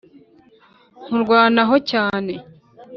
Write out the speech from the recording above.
nkurwanaho cyane